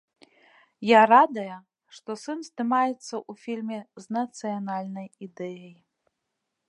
Я радая, што сын здымаецца ў фільме з нацыянальнай ідэяй.